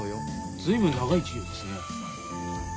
随分長い一行ですね。